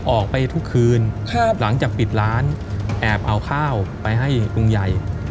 ออกไปทุกคืนหลังจากปิดร้านแอบเอาข้าวไปให้ลุงใหญ่